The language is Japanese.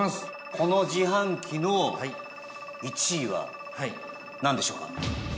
この自販機の１位はなんでしょうか？